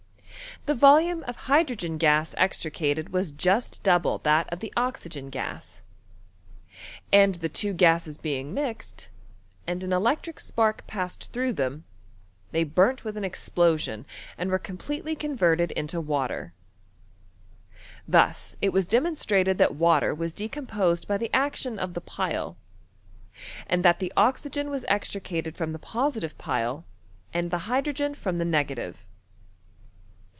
The volume of hydrogen gas extricated was just double tliat of the oxygen gas ; and the two gases being mixed, and an electric passed through them, they burnt with an ex >sion, and were completely converted into water« lus it was demonstrated that water was decom posed by the action of the pile, and that the oxygen was extricated from the positive pile and the hydrogen from the negative.